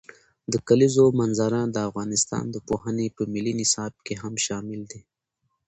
د کلیزو منظره د افغانستان د پوهنې په ملي نصاب کې هم شامل دي.